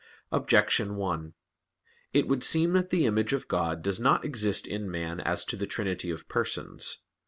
Objection 1: It would seem that the image of God does not exist in man as to the Trinity of Persons.